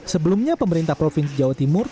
sebelumnya pemerintah provinsi jawa timur